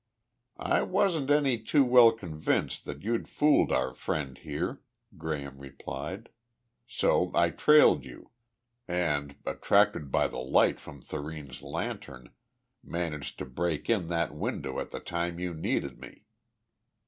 "I wasn't any too well convinced that you'd fooled our friend here," Graham replied. "So I trailed you, and, attracted by the light from Thurene's lantern, managed to break in that window at the time you needed me."